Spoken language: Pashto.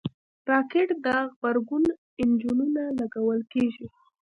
راکټ ته د غبرګون انجنونه لګول کېږي